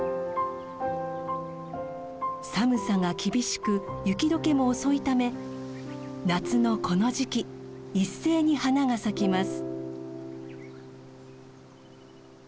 寒さが厳しく雪解けも遅いため夏のこの時期一斉に花が咲きます。